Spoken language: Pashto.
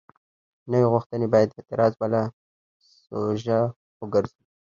نوې غوښتنه باید د اعتراض بله سوژه وګرځي.